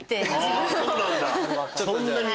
そんなに？